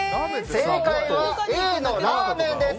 正解はＡのラーメンです。